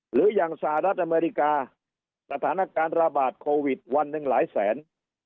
หรืออย่างสหรัฐอเมริกาสถานการณ์ระบาดโควิดวันหนึ่งหลายแสน